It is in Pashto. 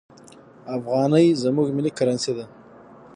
افغانۍ زموږ ملي کرنسي ده.